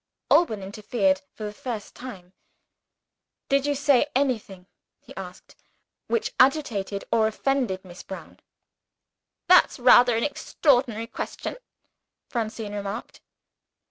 Alban interfered for the first time. "Did you say anything," he asked, "which agitated or offended Miss Brown?" "That's rather an extraordinary question," Francine remarked.